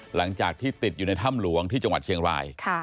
หลังจากที่ติดอยู่ในถ้ำหลวงที่จังหวัดเชียงราย